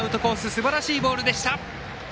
すばらしいボールでした。